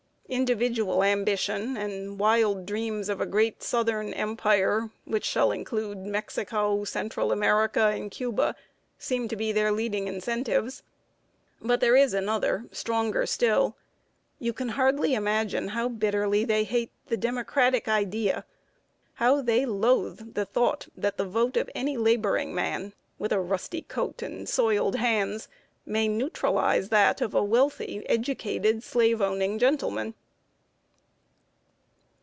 Individual ambition, and wild dreams of a great southern empire, which shall include Mexico, Central America, and Cuba, seem to be their leading incentives. But there is another, stronger still. You can hardly imagine how bitterly they hate the Democratic Idea how they loathe the thought that the vote of any laboring man, with a rusty coat and soiled hands, may neutralize that of a wealthy, educated, slave owning gentleman."